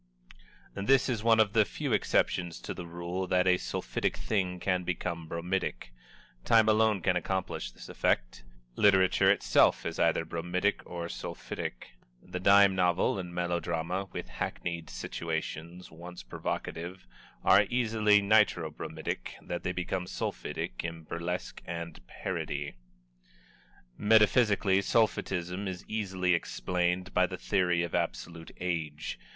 This is one of the few exceptions to the rule that a sulphitic thing can become bromidic. Time alone can accomplish this effect. Literature itself is either bromidic or sulphitic. The dime novel and melodrama, with hackneyed situations, once provocative, are so easily nitro bromidic that they become sulphitic in burlesque and parody. Metaphysically, Sulphitism is easily explained by the theory of Absolute Age.